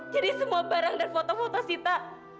jadi semua barang dan foto foto sita